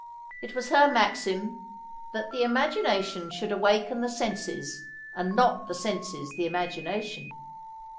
It was her maxim, "that the imagination should awaken the senses, and not the senses the imagination."